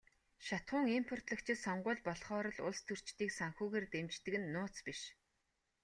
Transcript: Шатахуун импортлогчид сонгууль болохоор л улстөрчдийг санхүүгээр дэмждэг нь нууц биш.